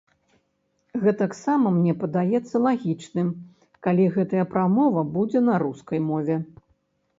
Гэтак сама мне падаецца лагічным, калі гэтая прамова будзе на рускай мове.